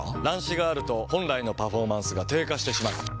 乱視があると本来のパフォーマンスが低下してしまう。